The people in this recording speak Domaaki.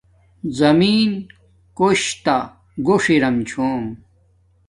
زمین کوش تہ گوݽ ارم چھوم